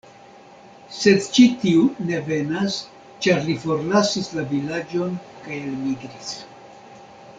Sed ĉi tiu ne venas, ĉar li forlasis la vilaĝon kaj elmigris.